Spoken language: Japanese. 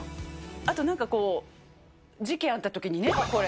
あとなんかこう、事件あったときにね、これ。